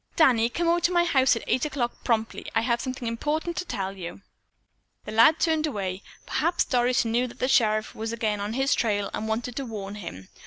"Danny, come over to my house tonight at eight o'clock promptly. I have something important to tell you." The lad turned away. Perhaps Doris knew that the sheriff was again on his trail and wanted to warn him.